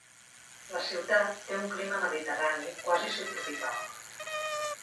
La ciutat té un clima mediterrani quasi subtropical.